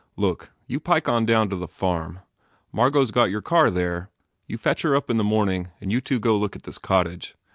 "Look, you pike on down to the farm. Margot s got your car there. You fetch her up in the morning and you two go look at this cottage.